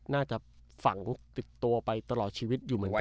น่าจะฝังติดตัวไปตลอดชีวิตอยู่เหมือนกัน